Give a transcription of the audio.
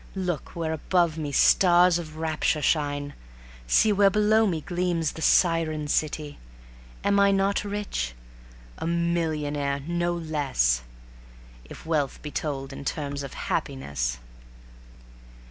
Look, where above me stars of rapture shine; See, where below me gleams the siren city ... Am I not rich? a millionaire no less, If wealth be told in terms of Happiness.